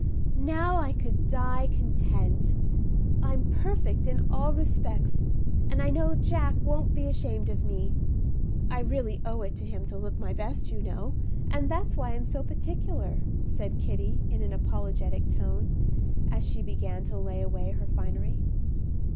"Now I could die content; I'm perfect in all respects, and I know Jack won't be ashamed of me. I really owe it to him to look my best, you know, and that's why I'm so particular," said Kitty, in an apologetic tone, as she began to lay away her finery.